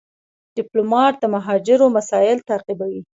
ډيپلومات د مهاجرو مسایل تعقیبوي.